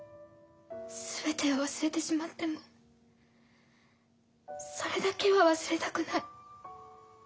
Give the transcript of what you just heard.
全てを忘れてしまってもそれだけは忘れたくない。